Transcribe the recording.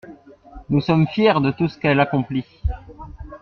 Nous sommes fiers de tout ce qu'elle accomplit.